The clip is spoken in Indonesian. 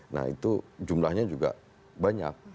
nah itu jumlahnya juga banyak